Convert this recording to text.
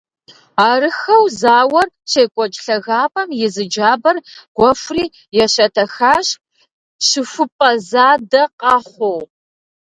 Арыххэу зауэр щекӏуэкӏ лъагапӏэм и зы джабэр гуэхури ещэтэхащ, щыхупӏэ задэ къэхъуу.